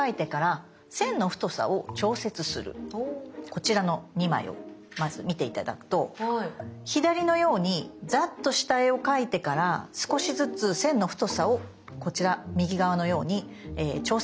こちらの２枚をまず見て頂くと左のようにザッと下絵を描いてから少しずつ線の太さをこちら右側のように調節することが大事です。